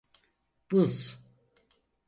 Buz…